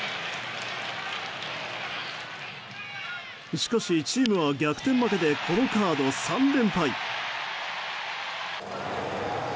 しかし、チームは逆転負けでこのカード３連敗。